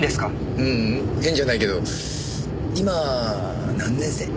ううん変じゃないけど今何年生？